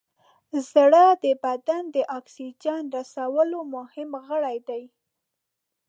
زړه د بدن د اکسیجن رسولو مهم غړی دی.